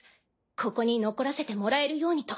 ここに残らせてもらえるようにと。